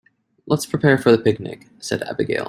"Let's prepare for the picnic!", said Abigail.